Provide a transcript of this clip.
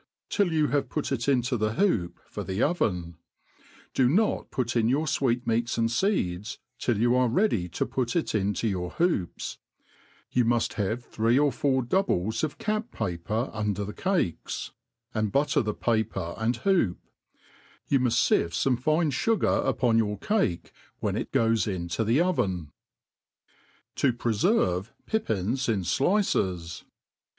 till you have put it into tbe hoop for the oven ; do not put ii| your fvcetnieats and feeds, till you are ready to put it into your , hoops ; you mufi have three or four dpubiet of cap paper under the caketi and butter the paper and hoop : you muft fife fomc fine fugar upon your cake, when it goes into the oyen. • 7i preferve Pipptns in Slius.